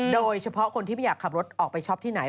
โดยเฉพาะคนที่ไม่อยากขับรถออกไปช็อปที่ไหน